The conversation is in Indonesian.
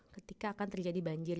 ketika akan terjadi banjir